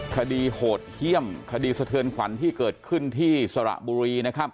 คดีโหดเฮียมคดีสะเทินขวัญที่เกิดขึ้นที่สระบุรี